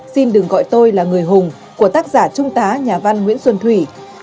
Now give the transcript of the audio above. xin đừng gọi tôi là người hùng của tác giả trung tá nhà văn nguyễn xuân thủy